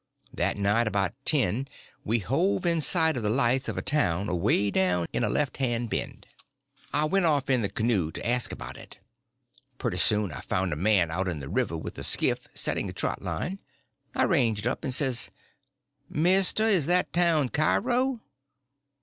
That night about ten we hove in sight of the lights of a town away down in a left hand bend. I went off in the canoe to ask about it. Pretty soon I found a man out in the river with a skiff, setting a trot line. I ranged up and says: "Mister, is that town Cairo?"